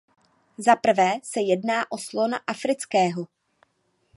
Zaprvé se jedná o slona afrického.